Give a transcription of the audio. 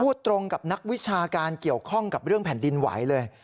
ตรงกับนักวิชาการเกี่ยวข้องกับเรื่องแผ่นดินไหวเลย